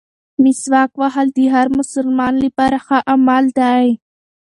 مسواک وهل د هر مسلمان لپاره ښه عمل دی.